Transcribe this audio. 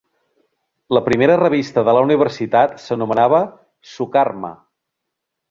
La primera revista de la universitat s'anomenava "Sukarma".